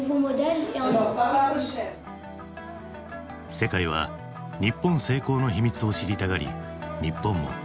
世界は日本成功の秘密を知りたがり日本も世界を意識する。